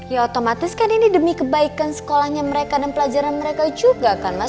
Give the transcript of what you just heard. ya otomatis kan ini demi kebaikan sekolahnya mereka dan pelajaran mereka juga kan mas